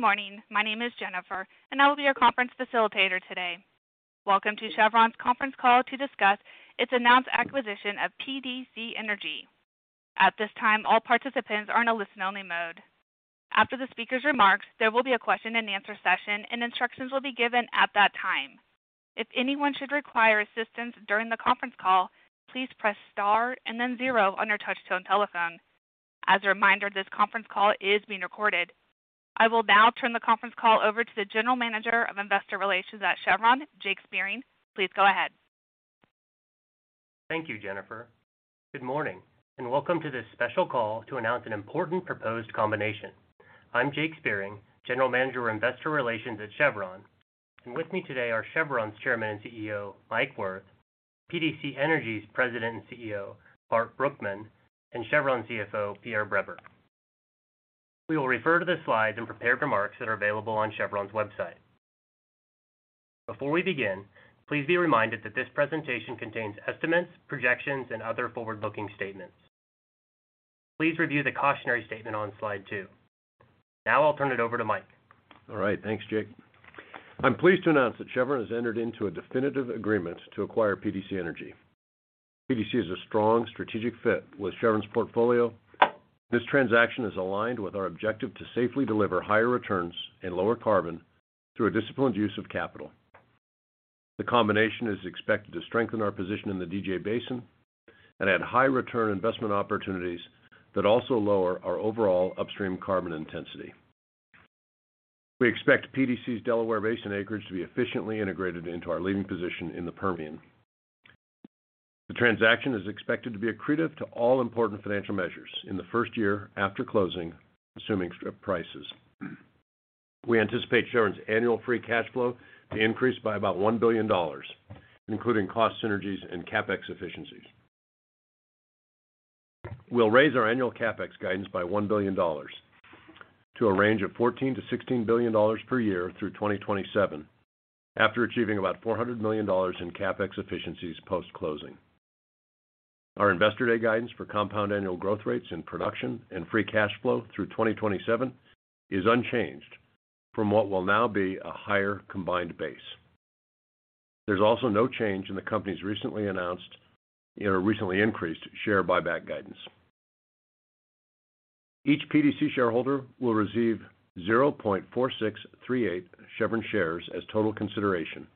Good morning. My name is Jennifer, and I will be your conference facilitator today. Welcome to Chevron's conference call to discuss its announced acquisition of PDC Energy. At this time, all participants are in a listen-only mode. After the speaker's remarks, there will be a question and answer session, and instructions will be given at that time. If anyone should require assistance during the conference call, please press star and then zero on your touch-tone telephone. As a reminder, this conference call is being recorded. I will now turn the conference call over to the General Manager of Investor Relations at Chevron, Jake Spiering. Please go ahead. Thank you, Jennifer. Good morning, welcome to this special call to announce an important proposed combination. I'm Jake Spiering, General Manager, Investor Relations at Chevron. With me today are Chevron's Chairman and CEO, Mike Wirth, PDC Energy's President and CEO, Bart Brookman, and Chevron CFO, Pierre Breber. We will refer to the slides and prepared remarks that are available on Chevron's website. Before we begin, please be reminded that this presentation contains estimates, projections, and other forward-looking statements. Please review the cautionary statement on Slide 2. Now I'll turn it over to Mike. All right. Thanks, Jake. I'm pleased to announce that Chevron has entered into a definitive agreement to acquire PDC Energy. PDC is a strong strategic fit with Chevron's portfolio. This transaction is aligned with our objective to safely deliver higher returns and lower carbon through a disciplined use of capital. The combination is expected to strengthen our position in the DJ Basin and add high return investment opportunities that also lower our overall upstream carbon intensity. We expect PDC's Delaware Basin acreage to be efficiently integrated into our leading position in the Permian. The transaction is expected to be accretive to all important financial measures in the first year after closing, assuming strip prices. We anticipate Chevron's annual free cash flow to increase by about $1 billion, including cost synergies and CapEx efficiencies. We'll raise our annual CapEx guidance by $1 billion to a range of $14 billion-$16 billion per year through 2027 after achieving about $400 million in CapEx efficiencies post-closing. Our Investor Day guidance for compound annual growth rates in production and free cash flow through 2027 is unchanged from what will now be a higher combined base. There's also no change in the company's recently announced, you know, recently increased share buyback guidance. Each PDC shareholder will receive 0.4638 Chevron shares as total consideration,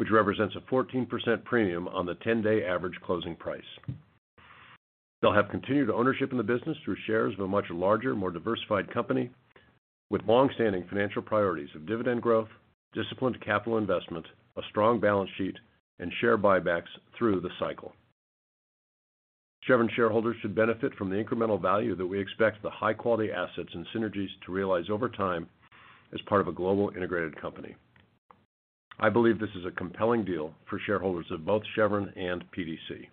which represents a 14% premium on the 10-day average closing price. They'll have continued ownership in the business through shares of a much larger, more diversified company with long-standing financial priorities of dividend growth, disciplined capital investment, a strong balance sheet and share buybacks through the cycle. Chevron shareholders should benefit from the incremental value that we expect the high-quality assets and synergies to realize over time as part of a global integrated company. I believe this is a compelling deal for shareholders of both Chevron and PDC.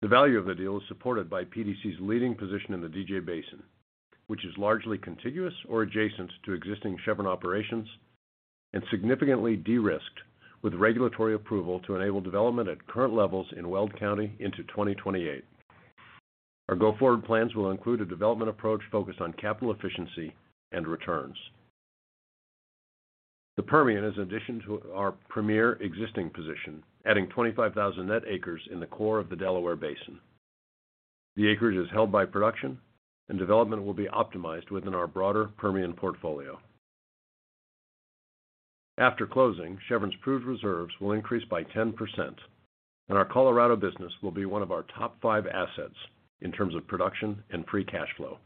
The value of the deal is supported by PDC's leading position in the DJ Basin, which is largely contiguous or adjacent to existing Chevron operations and significantly de-risked with regulatory approval to enable development at current levels in Weld County into 2028. Our go-forward plans will include a development approach focused on capital efficiency and returns. The Permian is an addition to our premier existing position, adding 25,000 net acres in the core of the Delaware Basin. The acreage is held by production, and development will be optimized within our broader Permian portfolio. After closing, Chevron's proved reserves will increase by 10%, our Colorado business will be one of our top five assets in terms of production and free cash flow.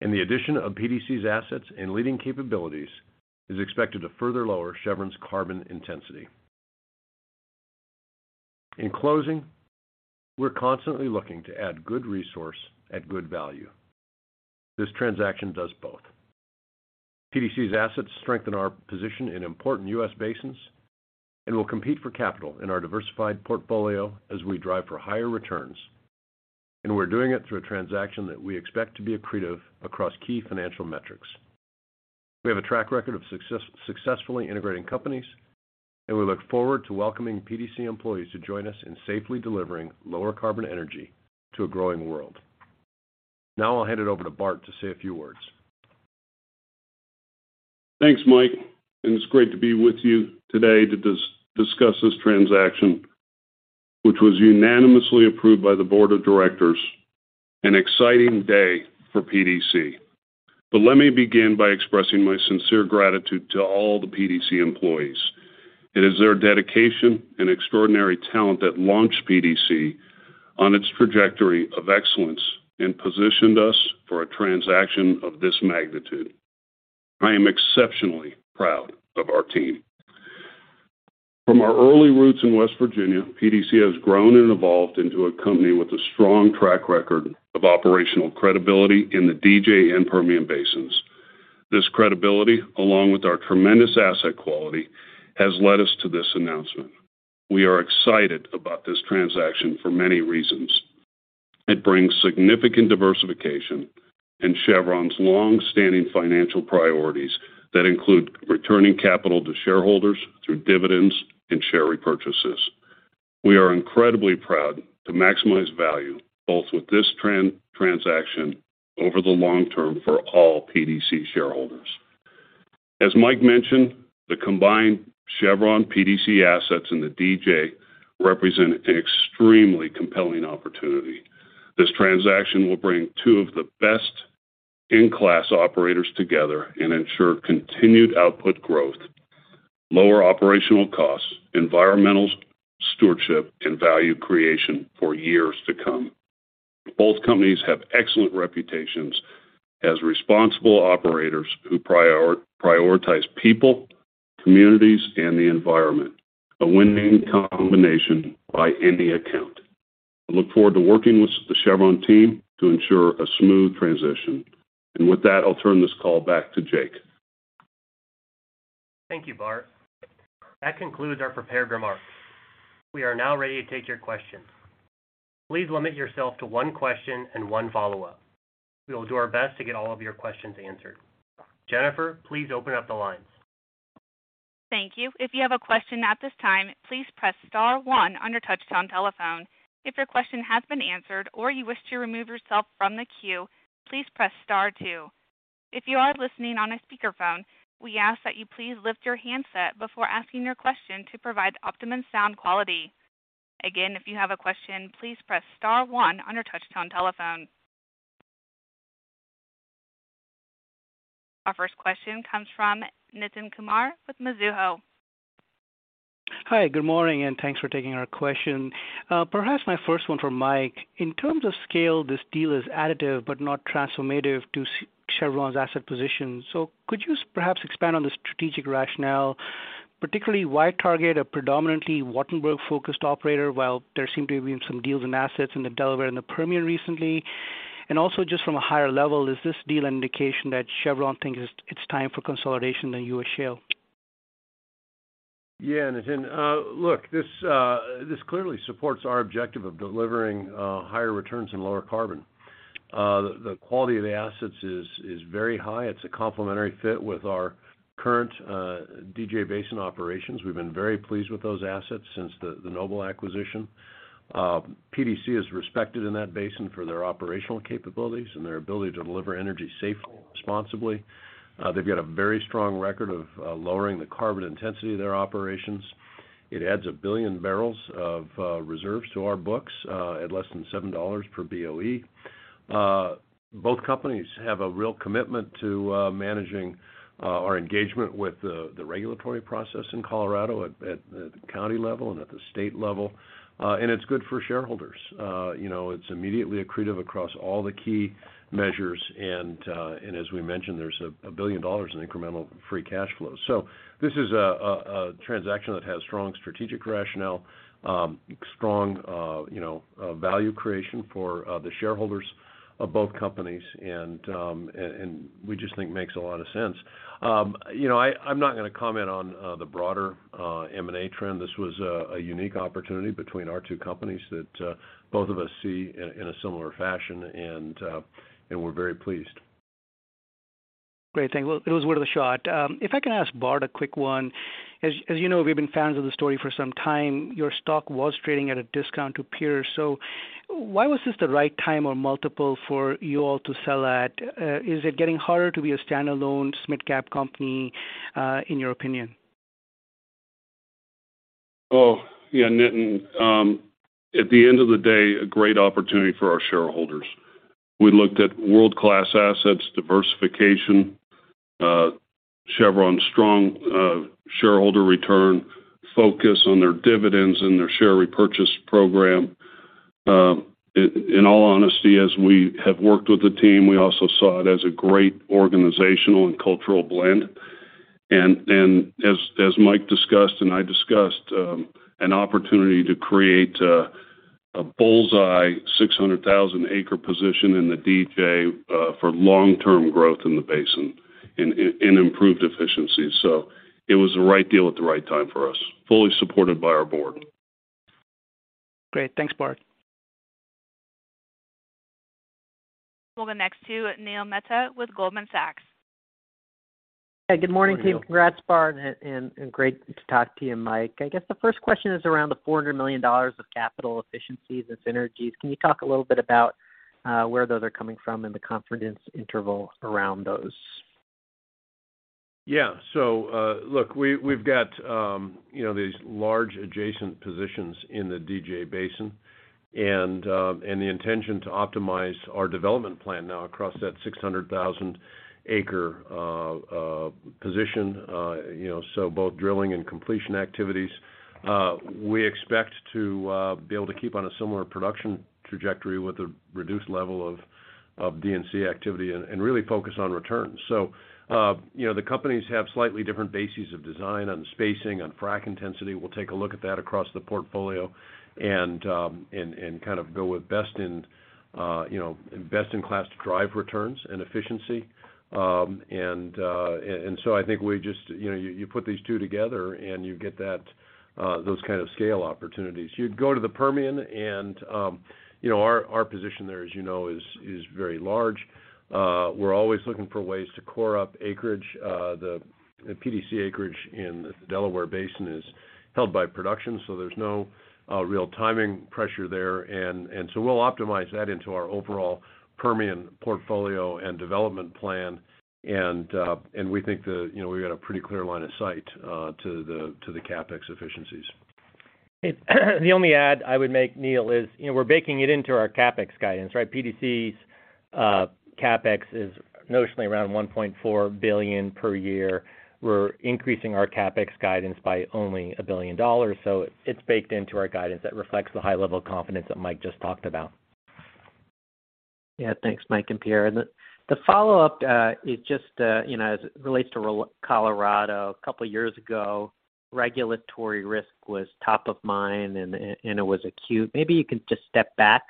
The addition of PDC's assets and leading capabilities is expected to further lower Chevron's carbon intensity. In closing, we're constantly looking to add good resource at good value. This transaction does both. PDC's assets strengthen our position in important U.S. basins and will compete for capital in our diversified portfolio as we drive for higher returns, we're doing it through a transaction that we expect to be accretive across key financial metrics. We have a track record of successfully integrating companies, we look forward to welcoming PDC employees to join us in safely delivering lower carbon energy to a growing world. Now I'll hand it over to Bart to say a few words. Thanks, Mike Wirth, it's great to be with you today to discuss this transaction, which was unanimously approved by the board of directors, an exciting day for PDC Energy. Let me begin by expressing my sincere gratitude to all the PDC Energy employees. It is their dedication and extraordinary talent that launched PDC Energy on its trajectory of excellence and positioned us for a transaction of this magnitude. I am exceptionally proud of our team. From our early roots in West Virginia, PDC Energy has grown and evolved into a company with a strong track record of operational credibility in the DJ and Permian Basin. This credibility, along with our tremendous asset quality, has led us to this announcement. We are excited about this transaction for many reasons. It brings significant diversification in Chevron's long-standing financial priorities that include returning capital to shareholders through dividends and share repurchases. We are incredibly proud to maximize value both with this transaction over the long term for all PDC shareholders. As Mike mentioned, the combined Chevron PDC assets in the DJ represent an extremely compelling opportunity. This transaction will bring two of the best-in-class operators together and ensure continued output growth, lower operational costs, environmental stewardship, and value creation for years to come. Both companies have excellent reputations as responsible operators who prioritize people, communities, and the environment. A winning combination by any account. I look forward to working with the Chevron team to ensure a smooth transition. With that, I'll turn this call back to Jake. Thank you, Bart. That concludes our prepared remarks. We are now ready to take your questions. Please limit yourself to one question and one follow-up. We will do our best to get all of your questions answered. Jennifer, please open up the lines. Thank you. If you have a question at this time, please press star one on your touchtone telephone. If your question has been answered or you wish to remove yourself from the queue, please press star two. If you are listening on a speakerphone, we ask that you please lift your handset before asking your question to provide optimum sound quality. Again, if you have a question, please press star one on your touchtone telephone. Our first question comes from Nitin Kumar with Mizuho. Hi, good morning. Thanks for taking our question. Perhaps my first one for Mike. In terms of scale, this deal is additive but not transformative to Chevron's asset position. Could you perhaps expand on the strategic rationale, particularly why target a predominantly Wattenberg-focused operator while there seem to have been some deals and assets in the Delaware and the Permian recently? Also just from a higher level, is this deal an indication that Chevron thinks it's time for consolidation in U.S. shale? Nitin. Look, this clearly supports our objective of delivering higher returns and lower carbon. The quality of the assets is very high. It's a complementary fit with our current DJ Basin operations. We've been very pleased with those assets since the Noble acquisition. PDC is respected in that basin for their operational capabilities and their ability to deliver energy safely and responsibly. They've got a very strong record of lowering the carbon intensity of their operations. It adds 1 billion barrels of reserves to our books at less than $7 per BOE. Both companies have a real commitment to managing our engagement with the regulatory process in Colorado at the county level and at the state level. It's good for shareholders. You know, it's immediately accretive across all the key measures, and as we mentioned, there's $1 billion in incremental free cash flow. This is a transaction that has strong strategic rationale, strong, you know, value creation for the shareholders of both companies, and we just think makes a lot of sense. you know, I'm not gonna comment on the broader M&A trend. This was a unique opportunity between our two companies that both of us see in a similar fashion, and we're very pleased. Great, thanks. It was worth a shot. If I can ask Bart a quick one. As you know, we've been fans of the story for some time. Your stock was trading at a discount to peers. Why was this the right time or multiple for you all to sell at? Is it getting harder to be a standalone midcap company, in your opinion? Yeah, Nitin. At the end of the day, a great opportunity for our shareholders. We looked at world-class assets, diversification, Chevron's strong shareholder return, focus on their dividends and their share repurchase program. In all honesty, as we have worked with the team, we also saw it as a great organizational and cultural blend. As Mike discussed and I discussed, an opportunity to create a bull's eye 600,000 acre position in the DJ for long-term growth in the basin in improved efficiency. It was the right deal at the right time for us, fully supported by our board. Great. Thanks, Bart. We'll go next to Neil Mehta with Goldman Sachs. Yeah, good morning to you. Good morning. Congrats, Bart, and great to talk to you, Mike. I guess the first question is around the $400 million of capital efficiencies and synergies. Can you talk a little bit about where those are coming from and the confidence interval around those? Look, we've got, you know, these large adjacent positions in the DJ Basin and the intention to optimize our development plan now across that 600,000 acre position, you know, so both drilling and completion activities. We expect to be able to keep on a similar production trajectory with a reduced level of D&C activity and really focus on returns. The companies have slightly different bases of design on spacing, on frack intensity. We'll take a look at that across the portfolio and kind of go with best in, you know, best in class to drive returns and efficiency. I think we just, you know, you put these two together, and you get that those kind of scale opportunities. You go to the Permian and, you know, our position there, as you know, is very large. We're always looking for ways to core up acreage. The PDC acreage in the Delaware Basin is held by production, so there's no real timing pressure there. We'll optimize that into our overall Permian portfolio and development plan. We think the, you know, we've got a pretty clear line of sight to the CapEx efficiencies. It the only add I would make, Neil, is, you know, we're baking it into our CapEx guidance, right? PDC's CapEx is notionally around $1.4 billion per year. We're increasing our CapEx guidance by only $1 billion. It's baked into our guidance. That reflects the high level of confidence that Mike just talked about. Yeah. Thanks, Mike and Pierre. The follow-up, you know, as it relates to Colorado. A couple of years ago, regulatory risk was top of mind, and it was acute. Maybe you can just step back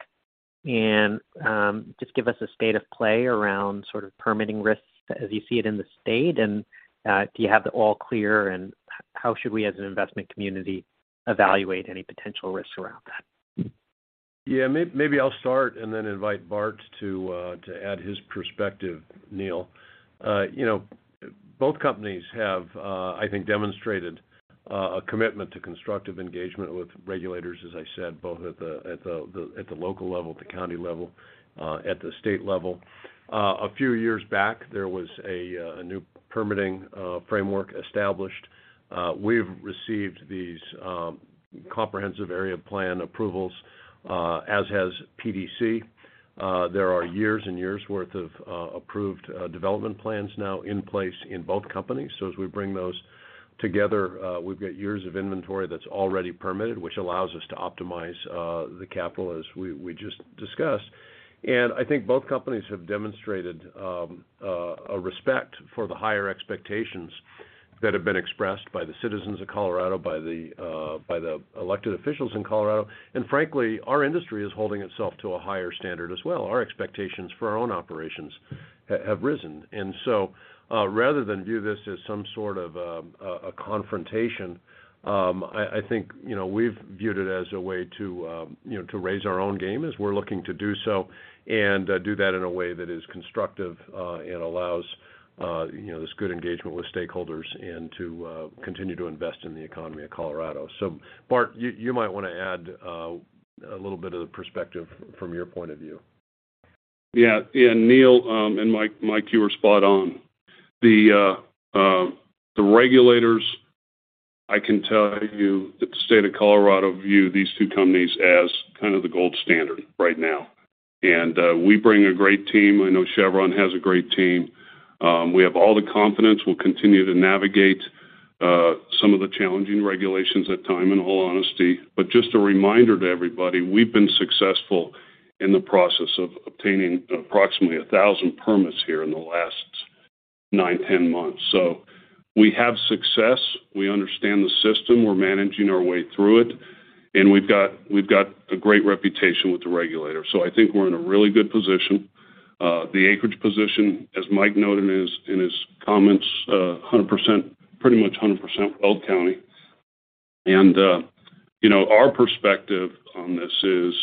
and just give us a state of play around sort of permitting risks as you see it in the state. Do you have the all clear, and how should we as an investment community evaluate any potential risks around that? Yeah, maybe I'll start and then invite Bart to add his perspective, Neal. You know, both companies have, I think, demonstrated a commitment to constructive engagement with regulators, as I said, both at the local level, at the county level, at the state level. A few years back, there was a new permitting framework established. We've received these Comprehensive Area Plan approvals, as has PDC. There are years and years' worth of approved development plans now in place in both companies. As we bring those together, we've got years of inventory that's already permitted, which allows us to optimize the capital as we just discussed. I think both companies have demonstrated a respect for the higher expectations that have been expressed by the citizens of Colorado, by the elected officials in Colorado. Frankly, our industry is holding itself to a higher standard as well. Our expectations for our own operations have risen. So, rather than view this as some sort of a confrontation, I think, you know, we've viewed it as a way to, you know, to raise our own game as we're looking to do so, and do that in a way that is constructive and allows, you know, this good engagement with stakeholders and to continue to invest in the economy of Colorado. Bart, you might wanna add a little bit of the perspective from your point of view. Yeah. Yeah, Neil, Mike, you were spot on. The regulators, I can tell you that the state of Colorado view these two companies as kind of the gold standard right now. We bring a great team. I know Chevron has a great team. We have all the confidence we'll continue to navigate some of the challenging regulations at time, in all honesty. Just a reminder to everybody, we've been successful in the process of obtaining approximately 1,000 permits here in the last nine, 10 months. We have success, we understand the system, we're managing our way through it, and we've got a great reputation with the regulator. I think we're in a really good position. The acreage position, as Mike noted in his, in his comments, 100%, pretty much 100% Weld County. You know, our perspective on this is,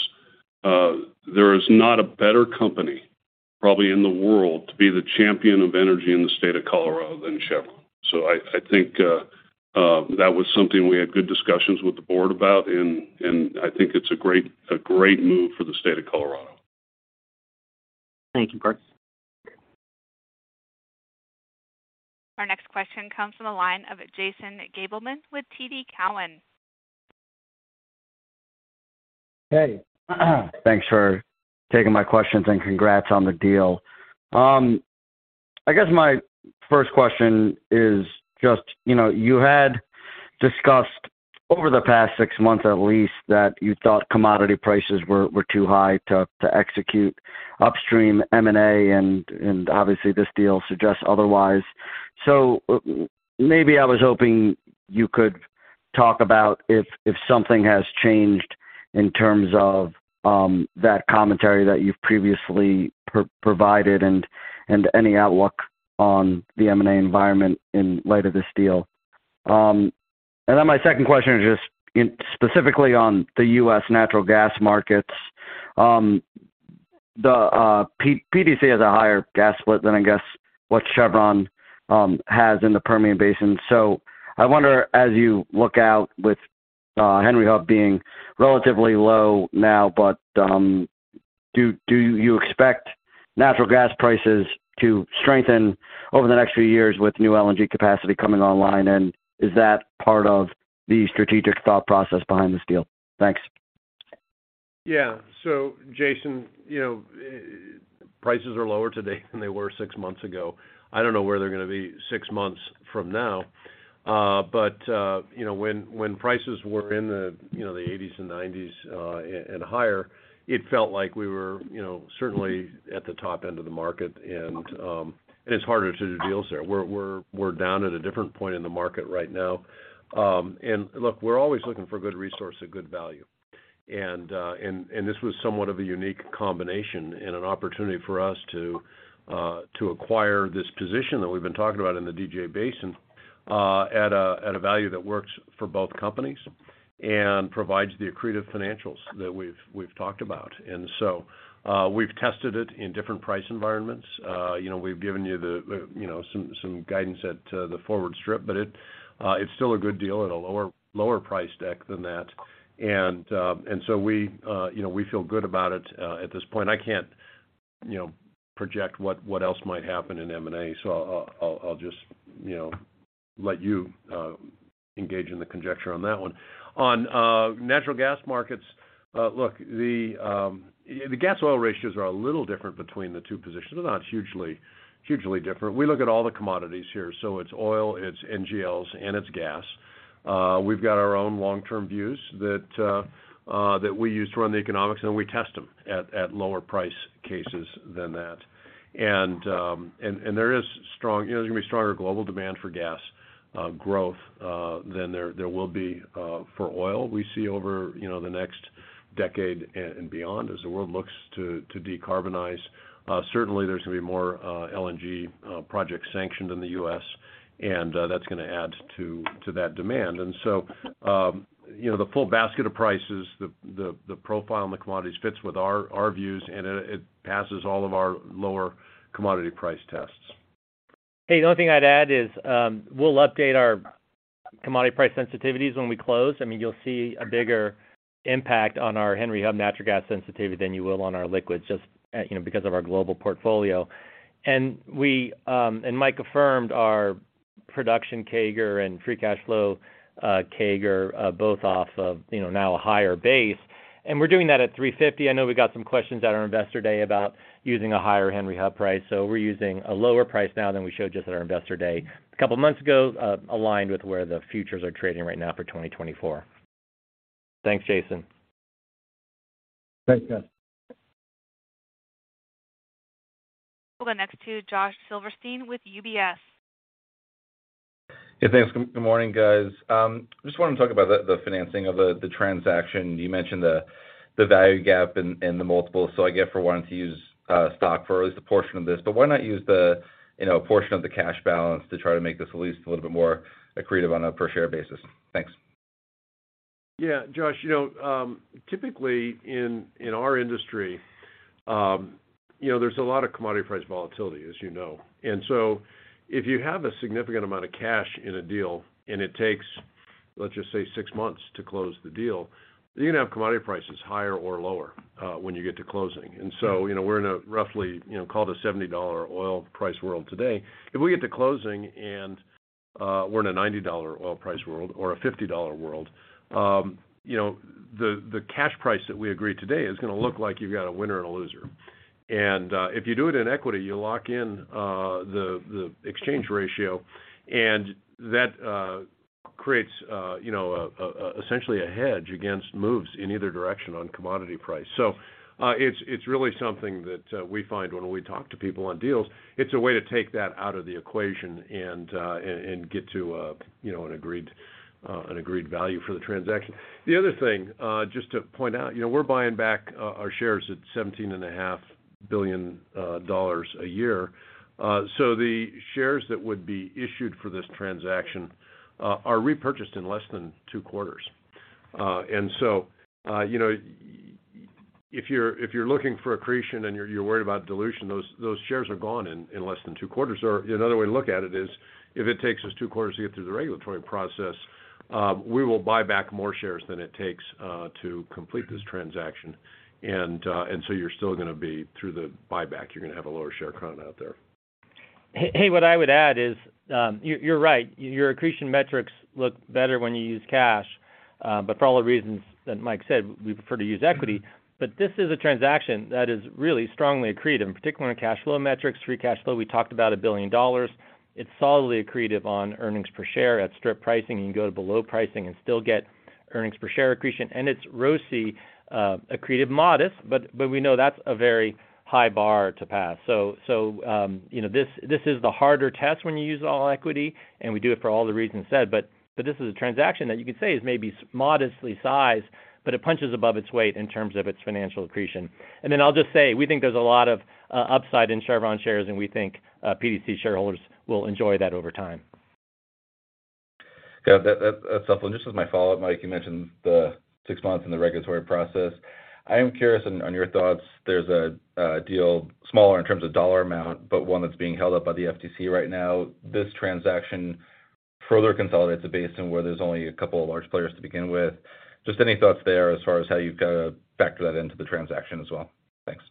there is not a better company probably in the world to be the champion of energy in the state of Colorado than Chevron. I think, that was something we had good discussions with the board about, and I think it's a great, a great move for the state of Colorado. Thank you, Bart. Our next question comes from the line of Jason Gabelman with TD Cowen. Hey. Thanks for taking my questions, and congrats on the deal. I guess my first question is just, you know, you had discussed over the past six months at least, that you thought commodity prices were too high to execute upstream M&A, and obviously, this deal suggests otherwise. Maybe I was hoping you could talk about if something has changed in terms of that commentary that you've previously provided and any outlook on the M&A environment in light of this deal. My second question is just specifically on the US natural gas markets. The PDC has a higher gas split than I guess what Chevron has in the Permian Basin. I wonder, as you look out with, Henry Hub being relatively low now, but, do you expect natural gas prices to strengthen over the next few years with new LNG capacity coming online? Is that part of the strategic thought process behind this deal? Thanks. Jason, you know, prices are lower today than they were six months ago. I don't know where they're gonna be six months from now. You know, when prices were in the, you know, the eighties and nineties, and higher, it felt like we were, you know, certainly at the top end of the market, and it's harder to do deals there. We're down at a different point in the market right now. Look, we're always looking for good resource at good value. This was somewhat of a unique combination and an opportunity for us to acquire this position that we've been talking about in the DJ Basin, at a value that works for both companies and provides the accretive financials that we've talked about. We've tested it in different price environments. You know, we've given you the, you know, some guidance at the forward strip, but it's still a good deal at a lower price deck than that. We, you know, we feel good about it at this point. I can't you know, project what else might happen in M&A. I'll just, you know, let you engage in the conjecture on that one. On natural gas markets, look, the gas oil ratios are a little different between the two positions. They're not hugely different. We look at all the commodities here, so it's oil, it's NGLs, and it's gas. We've got our own long-term views that we use to run the economics, and we test them at lower price cases than that. There is, you know, there's gonna be stronger global demand for gas growth than there will be for oil. We see over, you know, the next decade and beyond as the world looks to decarbonize. Certainly, there's gonna be more LNG projects sanctioned in the U.S., and that's gonna add to that demand. You know, the full basket of prices, the profile and the commodities fits with our views, and it passes all of our lower commodity price tests. The only thing I'd add is, we'll update our commodity price sensitivities when we close. I mean, you'll see a bigger impact on our Henry Hub natural gas sensitivity than you will on our liquids just at, you know, because of our global portfolio. Mike affirmed our production CAGR and free cash flow CAGR, both off of, you know, now a higher base. We're doing that at $3.50. I know we got some questions at our Investor Day about using a higher Henry Hub price. We're using a lower price now than we showed just at our Investor Day a couple months ago, aligned with where the futures are trading right now for 2024. Thanks, Jason. Thanks, guys. We'll go next to Josh Silverstein with UBS. Yeah, thanks. Good morning, guys. just wanted to talk about the financing of the transaction. You mentioned the value gap and the multiples. I get for wanting to use stock for at least a portion of this. Why not use the, you know, portion of the cash balance to try to make this at least a little bit more accretive on a per-share basis? Thanks. Josh, you know, typically in our industry, you know, there's a lot of commodity price volatility, as you know. If you have a significant amount of cash in a deal, and it takes, let's just say, six months to close the deal, you're gonna have commodity prices higher or lower when you get to closing. You know, we're in a roughly, you know, call it a $70 oil price world today. If we get to closing, and we're in a $90 oil price world or a $50 world, you know, the cash price that we agreed today is gonna look like you've got a winner and a loser. If you do it in equity, you lock in the exchange ratio, and that creates, you know, essentially a hedge against moves in either direction on commodity price. It's really something that, we find when we talk to people on deals, it's a way to take that out of the equation and get to a, you know, an agreed value for the transaction. The other thing, just to point out, you know, we're buying back our shares at $17.5 billion a year. The shares that would be issued for this transaction, are repurchased in less than two quarters. You know, if you're, if you're looking for accretion, and you're worried about dilution, those shares are gone in less than two quarters. Another way to look at it is, if it takes us two quarters to get through the regulatory process, we will buy back more shares than it takes to complete this transaction. You're still gonna be through the buyback. You're gonna have a lower share count out there. Hey, what I would add is, you're right. Your accretion metrics look better when you use cash. For all the reasons that Mike said, we prefer to use equity. This is a transaction that is really strongly accretive, and particularly on cash flow metrics. Free cash flow, we talked about $1 billion. It's solidly accretive on earnings per share at strip pricing. You can go to below pricing and still get earnings per share accretion. It's ROCE accretive modest, but we know that's a very high bar to pass. You know, this is the harder test when you use all equity, and we do it for all the reasons said. This is a transaction that you could say is maybe modestly sized, but it punches above its weight in terms of its financial accretion. I'll just say, we think there's a lot of upside in Chevron shares, and we think PDC shareholders will enjoy that over time. Yeah, that's helpful. Just as my follow-up, Mike, you mentioned the six months in the regulatory process. I am curious on your thoughts. There's a deal smaller in terms of dollar amount, but one that's being held up by the FTC right now. This transaction further consolidates a basin where there's only a couple of large players to begin with. Just any thoughts there as far as how you've gotta factor that into the transaction as well? Thanks.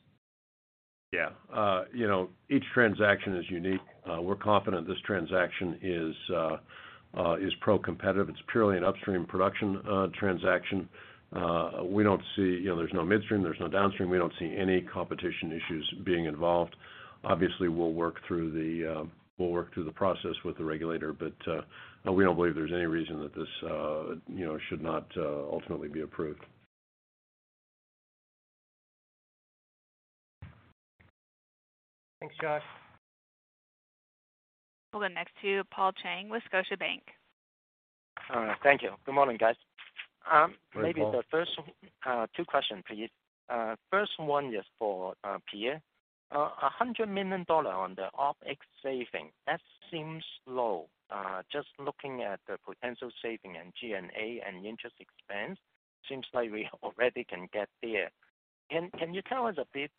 Yeah. You know, each transaction is unique. We're confident this transaction is pro-competitive. It's purely an upstream production transaction. We don't see. You know, there's no midstream, there's no downstream. We don't see any competition issues being involved. Obviously, we'll work through the process with the regulator. We don't believe there's any reason that this, you know, should not ultimately be approved. Thanks, Josh. We'll go next to Paul Cheng with Scotiabank. All right. Thank you. Good morning, guys. Morning, Paul. Maybe two question, please. First one is for Pierre. $100 million on the OpEx saving, that seems low. Just looking at the potential saving in G&A and interest expense, seems like we already can get there. Can you tell us a bit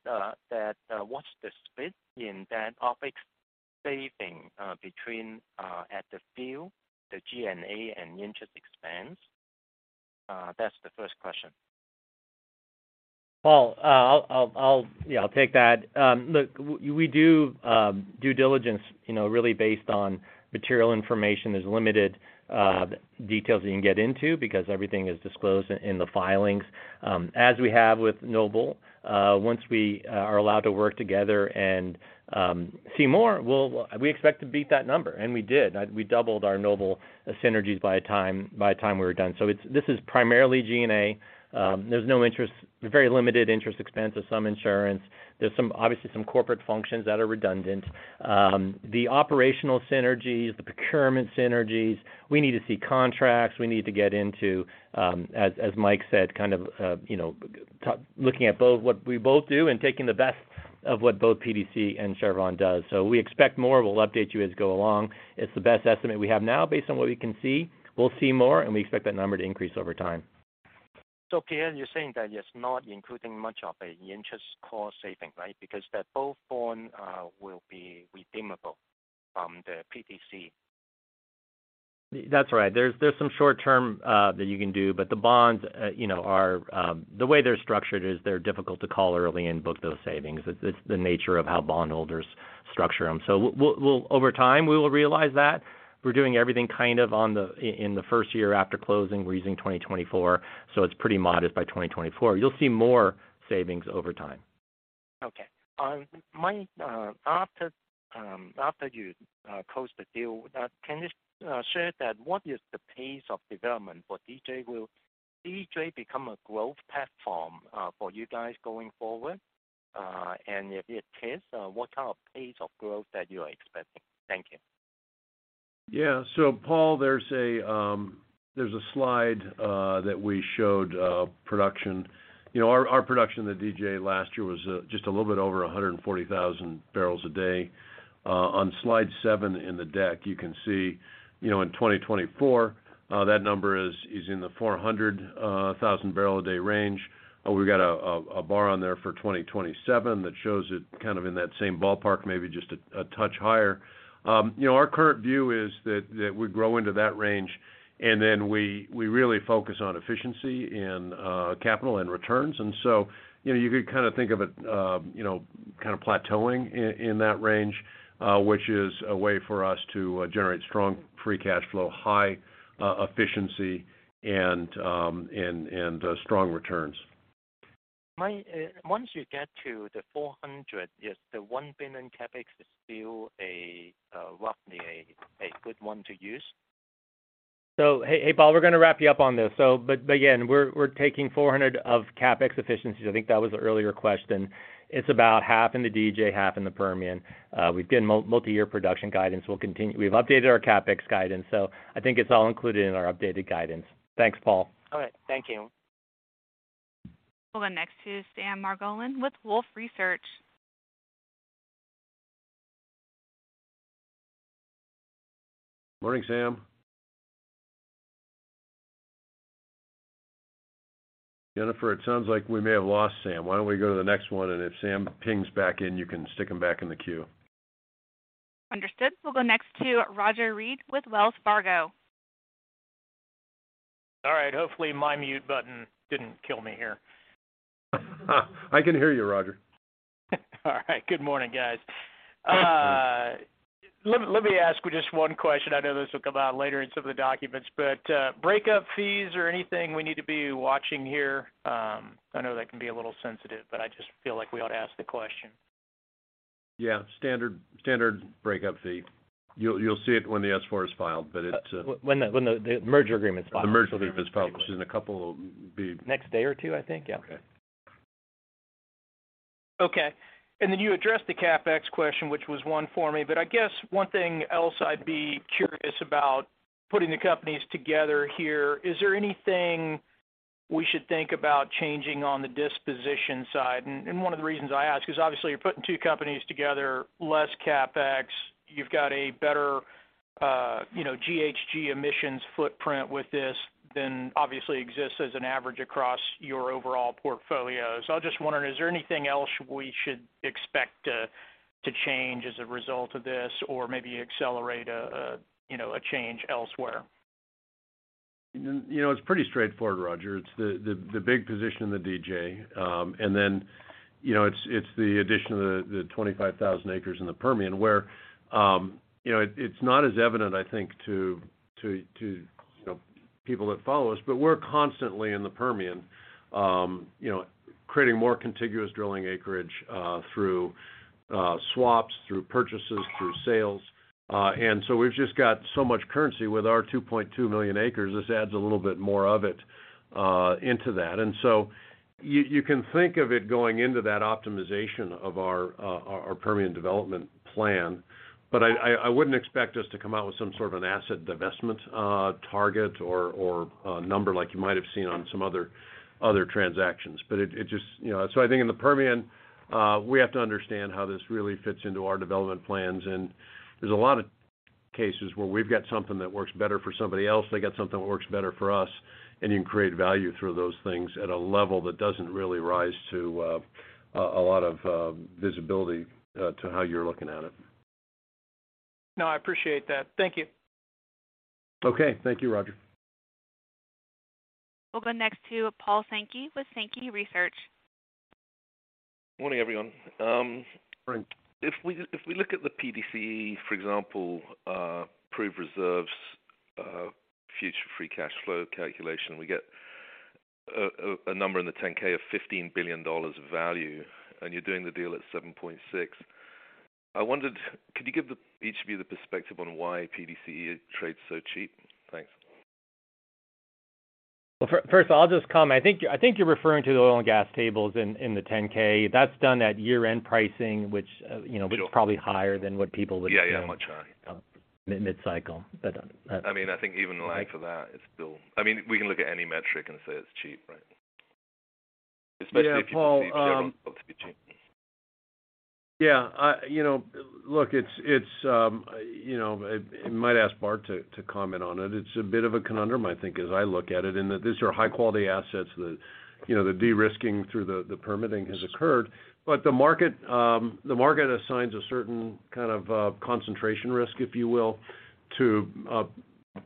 that what's the split in that OpEx saving between at the field, the G&A and interest expense? That's the first question. Paul, I'll take that. Look, we do due diligence, you know, really based on material information. There's limited details we can get into because everything is disclosed in the filings. As we have with Noble, once we are allowed to work together and see more, we expect to beat that number, and we did. We doubled our Noble synergies by the time we were done. This is primarily G&A. There's very limited interest expense to some insurance. There's obviously, some corporate functions that are redundant. The operational synergies, the procurement synergies, we need to see contracts. We need to get into, as Mike said, kind of, you know, looking at both what we both do and taking the best of what both PDC and Chevron does. We expect more. We'll update you as we go along. It's the best estimate we have now based on what we can see. We'll see more. We expect that number to increase over time. Pierre, you're saying that it's not including much of an interest cost saving, right? Because that both bond will be redeemable from the PDC. That's right. There's some short term that you can do, but the bonds, you know, are... The way they're structured is they're difficult to call early and book those savings. It's the nature of how bondholders structure them. Over time, we will realize that. We're doing everything kind of in the first year after closing. We're using 2024, so it's pretty modest by 2024. You'll see more savings over time. Okay. Mike, after you close the deal, can you share that what is the pace of development for DJ? Will DJ become a growth platform for you guys going forward? If it is, what kind of pace of growth that you are expecting? Thank you. Yeah. Paul, there's a there's a slide that we showed production. You know, our our production at DJ last year was just a little bit over 140,000 bbl a day. On Slide 7 in the deck, you can see, you know, in 2024, that number is in the 400,000 bbl a day range. We've got a bar on there for 2027 that shows it kind of in that same ballpark, maybe just a touch higher. You know, our current view is that we grow into that range, and then we really focus on efficiency and capital and returns. You know, you could kind of think of it, you know, kind of plateauing in that range, which is a way for us to generate strong free cash flow, high efficiency and strong returns. Mike, once you get to the $400, is the $1 billion CapEx is still a, roughly a good one to use? Hey, Paul, we're gonna wrap you up on this. But again, we're taking $400 of CapEx efficiencies. I think that was an earlier question. It's about half in the DJ, half in the Permian. We've given multi-year production guidance. We'll continue. We've updated our CapEx guidance. I think it's all included in our updated guidance. Thanks, Paul. All right. Thank you. We'll go next to Sam Margolin with Wolfe Research. Morning, Sam. Jennifer, it sounds like we may have lost Sam. Why don't we go to the next one, and if Sam pings back in, you can stick him back in the queue. Understood. We'll go next to Roger Read with Wells Fargo. All right. Hopefully, my mute button didn't kill me here. I can hear you, Roger. All right. Good morning, guys. Good morning. Let me ask just one question. I know this will come out later in some of the documents, but breakup fees or anything we need to be watching here? I know that can be a little sensitive, but I just feel like we ought to ask the question. Yeah. Standard breakup fee. You'll see it when the S-4 is filed, but it's. When the merger agreement is filed. The merger agreement is filed, which is in a couple. Next day or two, I think. Yeah. Okay. Okay. Then you addressed the CapEx question, which was one for me. I guess one thing else I'd be curious about putting the companies together here, is there anything we should think about changing on the disposition side? One of the reasons I ask is obviously you're putting two companies together, less CapEx. You've got a better, you know, GHG emissions footprint with this than obviously exists as an average across your overall portfolio. I was just wondering, is there anything else we should expect to change as a result of this or maybe accelerate a, you know, a change elsewhere? You know, it's pretty straightforward, Roger. It's the big position in the DJ. Then, you know, it's the addition of the 25,000 acres in the Permian where, you know, it's not as evident, I think, to, you know, people that follow us, but we're constantly in the Permian, you know, creating more contiguous drilling acreage through swaps, through purchases, through sales. So we've just got so much currency with our 2.2 million acres. This adds a little bit more of it into that. So you can think of it going into that optimization of our Permian development plan. I wouldn't expect us to come out with some sort of an asset divestment target or a number like you might have seen on some other transactions. It just, you know. I think in the Permian, we have to understand how this really fits into our development plans. There's a lot of cases where we've got something that works better for somebody else, they got something that works better for us, and you can create value through those things at a level that doesn't really rise to a lot of visibility to how you're looking at it. No, I appreciate that. Thank you. Okay. Thank you, Roger. We'll go next to Paul Sankey with Sankey Research. Morning, everyone. Morning. If we look at the PDC, for example, proof reserves, future free cash flow calculation, we get a number in the 10-K of $15 billion value, and you're doing the deal at $7.6. I wondered, could you give each of you the perspective on why PDC trades so cheap? Thanks. Well, first, I'll just comment. I think you, I think you're referring to the oil and gas tables in the 10 K. That's done at year-end pricing, which, you know. Sure ...which is probably higher than what people would expect. Yeah, much higher. Mid-cycle. I mean, I think even like for that, it's still... I mean, we can look at any metric and say it's cheap, right? Especially if you can see- Yeah, Paul. Chevron not to be cheap. Yeah. you know, look, it's, you know, I might ask Bart to comment on it. It's a bit of a conundrum, I think, as I look at it, in that these are high-quality assets that, you know, the de-risking through the permitting has occurred. The market, the market assigns a certain kind of concentration risk, if you will, to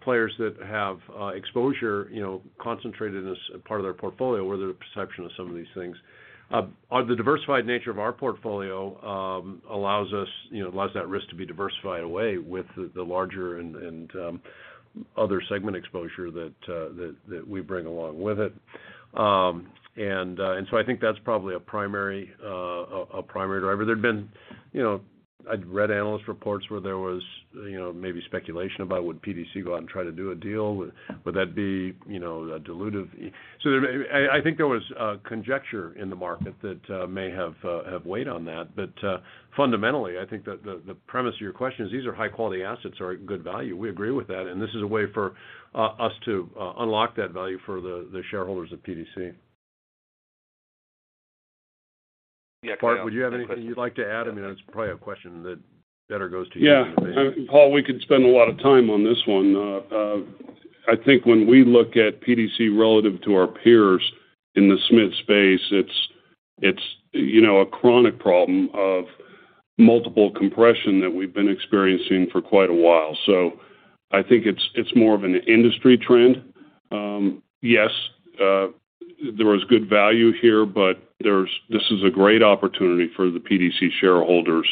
players that have exposure, you know, concentrated in this part of their portfolio or the perception of some of these things. On the diversified nature of our portfolio, allows us, you know, allows that risk to be diversified away with the larger and other segment exposure that we bring along with it. I think that's probably a primary driver. There have been, you know... I'd read analyst reports where there was, you know, maybe speculation about would PDC go out and try to do a deal? Would that be, you know, dilutive? I think there was conjecture in the market that may have weighed on that. Fundamentally, I think that the premise of your question is these are high-quality assets are at good value. We agree with that, and this is a way for us to unlock that value for the shareholders of PDC. Bart, would you have anything you'd like to add? I mean, it's probably a question that better goes to you than to me. Yeah. Paul, we could spend a lot of time on this one. I think when we look at PDC relative to our peers in the SMID space, it's, you know, a chronic problem of multiple compression that we've been experiencing for quite a while. I think it's more of an industry trend. Yes, there was good value here, but this is a great opportunity for the PDC shareholders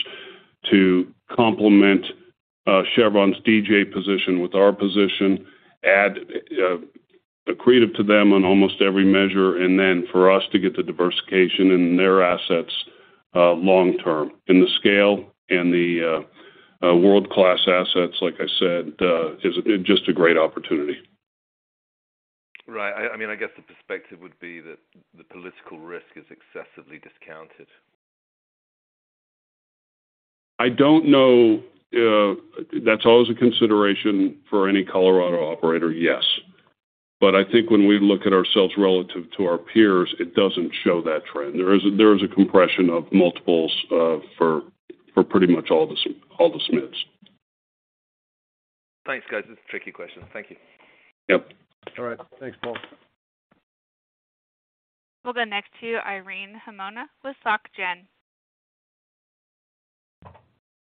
to complement Chevron's DJ position with our position, add accretive to them on almost every measure, and then for us to get the diversification in their assets long-term. The scale and the world-class assets, like I said, is just a great opportunity. Right. I mean, I guess the perspective would be that the political risk is excessively discounted. I don't know, That's always a consideration for any Colorado operator, yes. I think when we look at ourselves relative to our peers, it doesn't show that trend. There is a compression of multiples, for pretty much all the DJ. Thanks, guys. It's a tricky question. Thank you. Yep. All right. Thanks, Paul. We'll go next to Irene Himona with Soc Gen.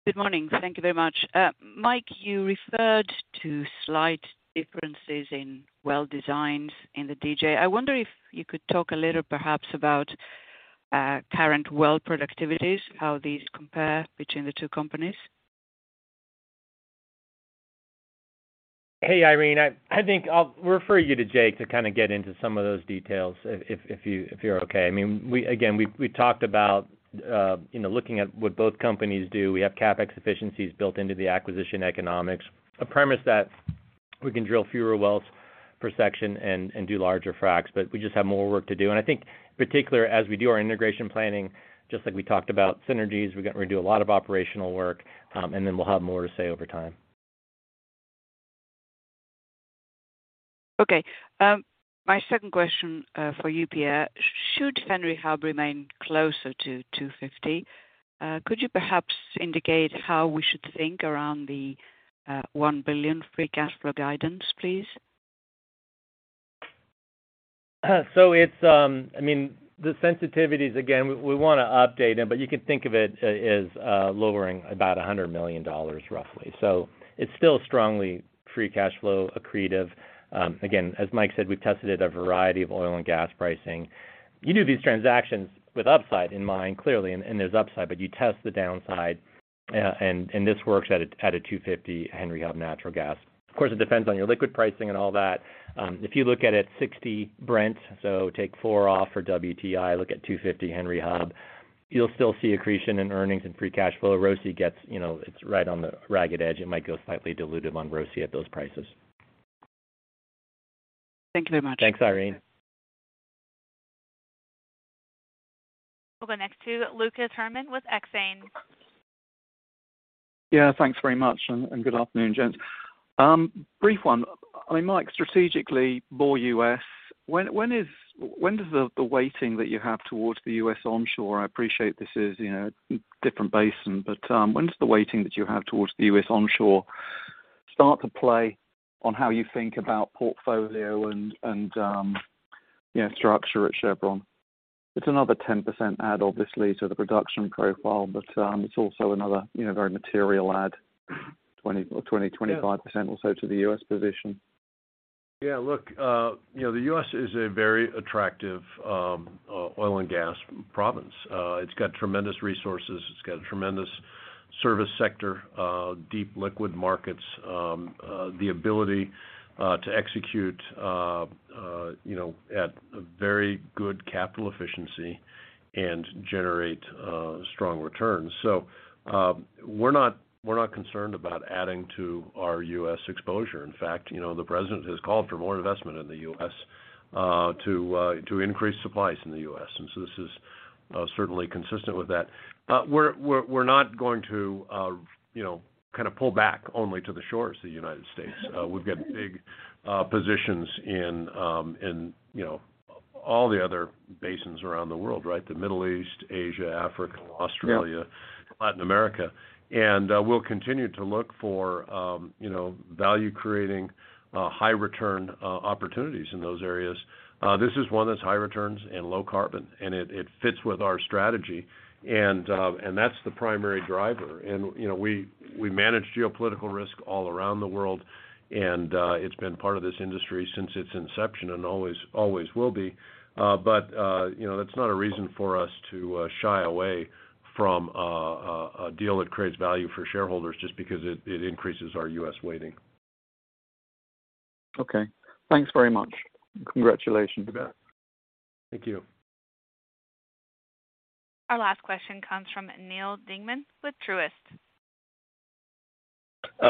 Good morning. Thank you very much. Mike, you referred to slight differences in well designs in the DJ. I wonder if you could talk a little perhaps about, current well productivities, how these compare between the two companies? Hey, Irene. I think I'll refer you to Jake to kinda get into some of those details if you're okay. I mean, again, we talked about, you know, looking at what both companies do. We have CapEx efficiencies built into the acquisition economics, a premise that we can drill fewer wells per section and do larger fracs, but we just have more work to do. I think particular as we do our integration planning, just like we talked about synergies, we're gonna do a lot of operational work, and then we'll have more to say over time. My second question, for you, Pierre. Should Henry Hub remain closer to $2.50, could you perhaps indicate how we should think around the $1 billion free cash flow guidance, please? I mean, the sensitivities, again, we wanna update them, but you can think of it as lowering about $100 million, roughly. It's still strongly free cash flow accretive. Again, as Mike said, we've tested at a variety of oil and gas pricing. You do these transactions with upside in mind, clearly, and there's upside, but you test the downside. And this works at a $2.50 Henry Hub natural gas. Of course, it depends on your liquid pricing and all that. If you look at it $60 Brent, take $4 off for WTI, look at $2.50 Henry Hub, you'll still see accretion in earnings and free cash flow. ROCE gets, you know, it's right on the ragged edge. It might go slightly diluted on ROCE at those prices. Thank you very much. Thanks, Irene. We'll go next to Lucas Herrmann with Exane. Yeah, thanks very much. Good afternoon, gents. Brief one. I mean, Mike, strategically, more U.S., when does the weighting that you have towards the U.S. onshore, I appreciate this is, you know, different basin, but, when does the weighting that you have towards the U.S. onshore start to play on how you think about portfolio and, yeah, structure at Chevron? It's another 10% add obviously to the production profile, but, it's also another, you know, very material add, 20%. Yeah... 25% or so to the U.S. position. Yeah, look, you know, the US is a very attractive oil and gas province. It's got tremendous resources, it's got a tremendous service sector, deep liquid markets, the ability to execute, you know, at very good capital efficiency and generate strong returns. We're not concerned about adding to our US exposure. In fact, you know, the president has called for more investment in the US to increase supplies in the US, this is certainly consistent with that. We're not going to, you know, kind of pull back only to the shores of the United States. We've got big positions in, you know, all the other basins around the world, right? The Middle East, Asia, Africa, Australia. Yeah Latin America. We'll continue to look for, you know, value-creating, high-return, opportunities in those areas. This is one that's high returns and low carbon, and it fits with our strategy. That's the primary driver. You know, we manage geopolitical risk all around the world and it's been part of this industry since its inception and always will be. You know, that's not a reason for us to shy away from a deal that creates value for shareholders just because it increases our U.S. weighting. Okay. Thanks very much. Congratulations. You bet. Thank you. Our last question comes from Neal Dingmann with Truist.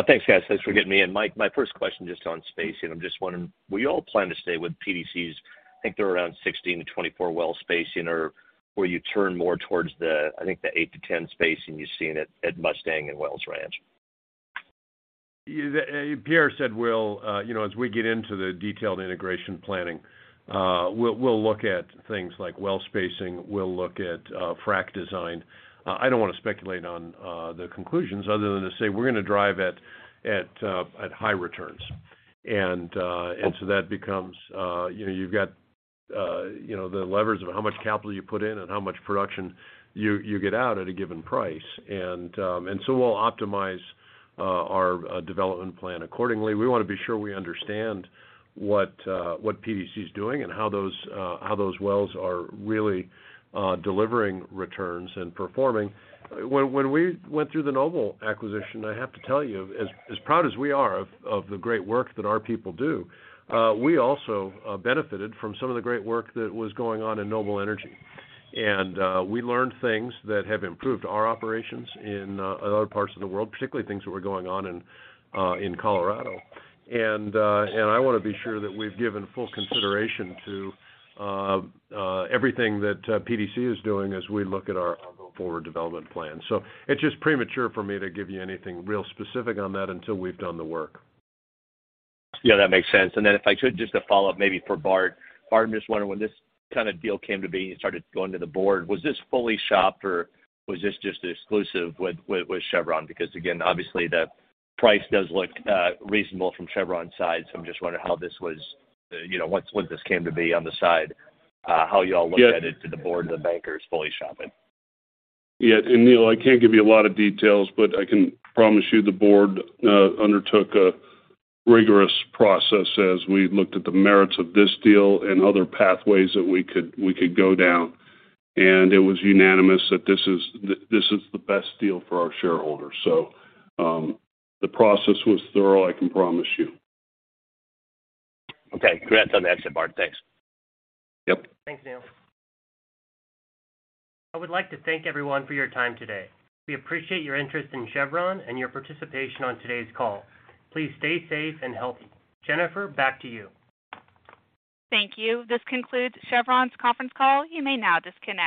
Thanks guys. Thanks for getting me in. My first question just on spacing. I'm just wondering, will you all plan to stay with PDC's, I think they're around 16-24 well spacing, or will you turn more towards the, I think, the eight to 10 spacing you're seeing at Mustang and Wells Ranch? Pierre said we'll, you know, as we get into the detailed integration planning, we'll look at things like well spacing, we'll look at frack design. I don't wanna speculate on the conclusions other than to say we're gonna drive at high returns. That becomes, you know, you've got, you know, the levers of how much capital you put in and how much production you get out at a given price. We'll optimize our development plan accordingly. We wanna be sure we understand what PDC's doing and how those, how those wells are really delivering returns and performing. When we went through the Noble acquisition, I have to tell you, as proud as we are of the great work that our people do, we also benefited from some of the great work that was going on in Noble Energy. We learned things that have improved our operations in other parts of the world, particularly things that were going on in Colorado. I wanna be sure that we've given full consideration to everything that PDC is doing as we look at our go forward development plan. It's just premature for me to give you anything real specific on that until we've done the work. Yeah, that makes sense. If I could just a follow-up maybe for Bart. Bart, I'm just wondering when this kind of deal came to be, you started going to the board, was this fully shopped or was this just exclusive with Chevron? Because again, obviously the price does look reasonable from Chevron's side, so I'm just wondering how this was, you know, once this came to be on the side, how you all looked at it to the board and the bankers fully shopping? Yeah. Neal, I can't give you a lot of details, but I can promise you the board undertook a rigorous process as we looked at the merits of this deal and other pathways that we could go down. It was unanimous that this is the best deal for our shareholders. The process was thorough, I can promise you. Okay. Congrats on the exit, Bart. Thanks. Yep. Thanks, Neal. I would like to thank everyone for your time today. We appreciate your interest in Chevron and your participation on today's call. Please stay safe and healthy. Jennifer, back to you. Thank you. This concludes Chevron's conference call. You may now disconnect.